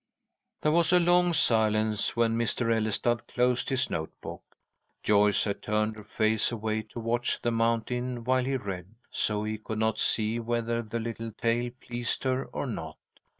_" There was a long silence when Mr. Ellestad closed his note book. Joyce had turned her face away to watch the mountain while he read, so he could not see whether the little tale pleased her or not.